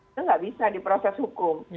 itu nggak bisa di proses hukum